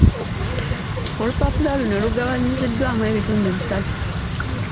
Olupapula luno lugabanyiziddwamu ebitundu bisatu.